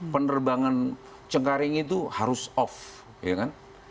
penerbangan cengkaring itu harus off ya kan